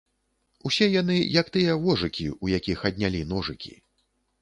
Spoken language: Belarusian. Усе яны, як тыя вожыкі, у якіх аднялі ножыкі.